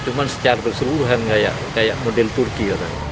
cuma secara berseluruhan kayak model turki